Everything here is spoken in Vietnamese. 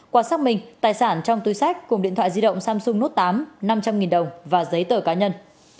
quả sắc mình tài sản trong túi sách cùng điện thoại di động samsung note tám năm trăm linh đồng và giấy tờ cá nhân